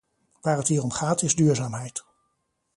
Waar het hier om gaat is duurzaamheid.